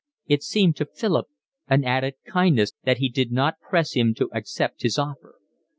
It seemed to Philip an added kindness that he did not press him to accept his offer.